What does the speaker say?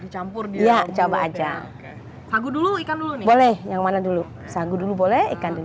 dicampur dia coba aja aku dulu ikan dulu boleh yang mana dulu sagu dulu boleh ikan